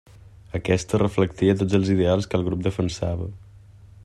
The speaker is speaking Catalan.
Aquesta reflectia tots els ideals que el grup defensava.